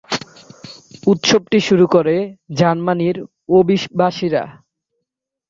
উৎসবটি শুরু করে জার্মান অভিবাসীরা।